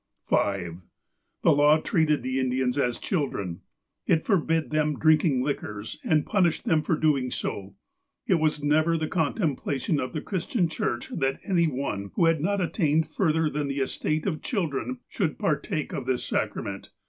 5. The law treated the Indians as children. It forbade them drinking liquors, and punished them for doing so. It was never the contemplation of the Christian Church that any one, who had not attained further than the estate of children, should partake of this sacrament.